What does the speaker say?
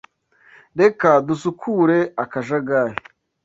Reka dusukure akajagari.